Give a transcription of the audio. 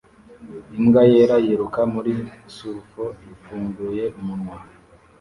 Imbwa yera yiruka muri surf ifunguye umunwa